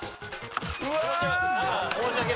うわ！